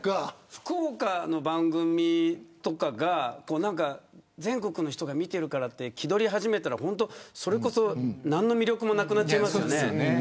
福岡の番組とかが全国の人が見ているからって気取り始めたらそれこそ何の魅力もなくなっちゃいますよね。